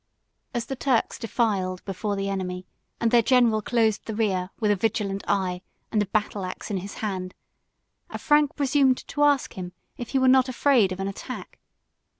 As the Turks defiled before the enemy, and their general closed the rear, with a vigilant eye, and a battle axe in his hand, a Frank presumed to ask him if he were not afraid of an attack.